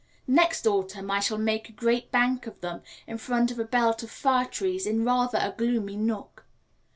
Next autumn I shall make a great bank of them in front of a belt of fir trees in rather a gloomy nook.